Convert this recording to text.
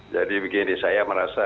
jadi begini saya merasa